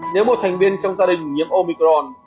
nếu một thành viên trong gia đình nhiễm omicron